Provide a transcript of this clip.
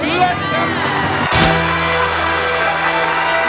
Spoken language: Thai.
เล่นครับ